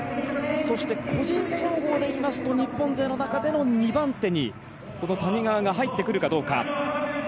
そして、個人総合でいいますと日本勢の中での２番手にこの谷川が入ってくるかどうか。